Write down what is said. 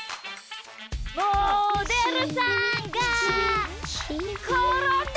モデルさんがころんだ！